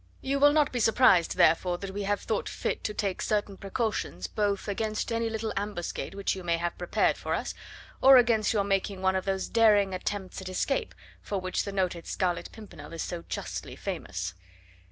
You will not be surprised, therefore, that we have thought fit to take certain precautions both against any little ambuscade which you may have prepared for us, or against your making one of those daring attempts at escape for which the noted Scarlet Pimpernel is so justly famous."